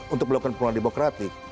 untuk melakukan kelola demokratik